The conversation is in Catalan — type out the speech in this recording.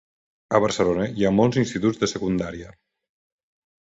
A Barcelona hi ha molts instituts de secundària.